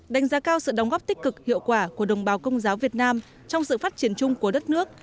đánh giá cao sự đóng góp tích cực hiệu quả của đồng bào công giáo việt nam trong sự phát triển chung của đất nước